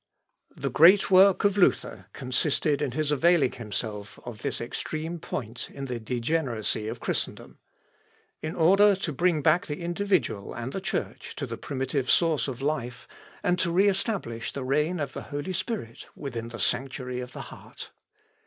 The great work of Luther consisted in his availing himself of this extreme point in the degeneracy of Christendom, in order to bring back the individual and the Church to the primitive source of life, and to re establish the reign of the Holy Spirit within the sanctuary of the heart.